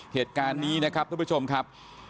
เหตุการณ์นี้นะครับทุกผู้ชมครับ